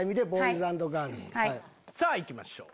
さぁいきましょう！